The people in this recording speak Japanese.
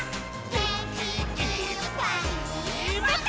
「げんきいっぱいもっと」